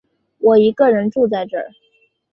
我一个人住在这